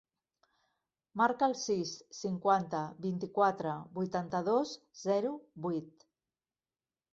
Marca el sis, cinquanta, vint-i-quatre, vuitanta-dos, zero, vuit.